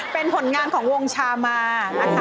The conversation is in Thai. เป็นผลงานของวงชามานะคะ